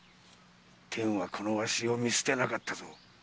天はこのわしを見捨てなかったぞ！